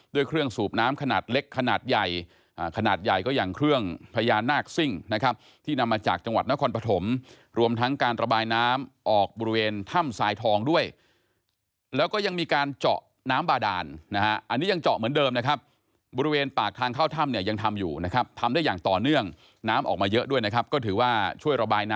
ด้วยเครื่องสูบน้ำขนาดเล็กขนาดใหญ่ขนาดใหญ่ก็อย่างเครื่องพญานาคซิ่งนะครับที่นำมาจากจังหวัดนครปฐมรวมทั้งการระบายน้ำออกบริเวณถ้ำสายทองด้วยแล้วก็ยังมีการเจาะน้ำบาดานนะฮะอันนี้ยังเจาะเหมือนเดิมนะครับบริเวณปากทางเข้าถ้ำเนี่ยยังทำอยู่นะครับทำได้อย่างต่อเนื่องน้ำออกมาเยอะด้วยนะครับก็ถือว่าช่วยระบายน้ำ